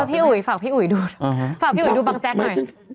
อุ๋ยฝากพี่อุ๋ยดูฝากพี่อุ๋ยดูบางแจ๊กหน่อย